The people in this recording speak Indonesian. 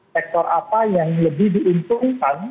sektor apa yang lebih diuntungkan